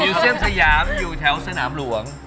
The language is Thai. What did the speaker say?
ยูเซียมสยามอยู่แถวสถานก์หลวง